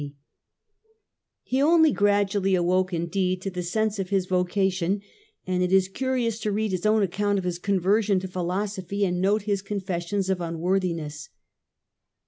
VIII. The Literary Currents of the Age, 175 He only gradually awoke, indeed, to the sense of his vo cation, and it is curious to read his own account of his conversion to philosophy, and note his confessions of un worthiness.